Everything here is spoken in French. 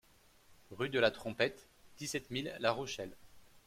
Rue DE LA TROMPETTE, dix-sept mille La Rochelle